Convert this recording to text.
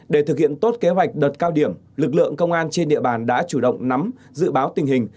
để thực hiện tốt kế hoạch đợt cao điểm lực lượng công an trên địa bàn đã chủ động nắm dự báo tình hình